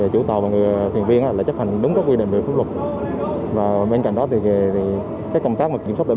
chủ tàu và người thuyền viên là chấp hành đúng các quy định về pháp luật